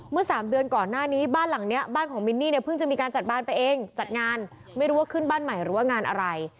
สามเดือนก่อนหน้านี้บ้านหลังนี้บ้านของมินนี่เนี่ยเพิ่งจะมีการจัดบ้านไปเองจัดงานไม่รู้ว่าขึ้นบ้านใหม่หรือว่างานอะไร